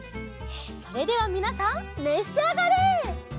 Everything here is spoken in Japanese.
それではみなさんめしあがれ！